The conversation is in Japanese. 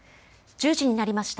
１０時になりました。